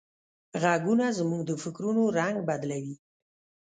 غږونه زموږ د فکرونو رنگ بدلوي.